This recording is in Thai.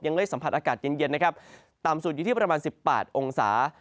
ยังได้สัมผัสอากาศเย็นตามสุดอยู่ที่ประมาณ๑๘องศา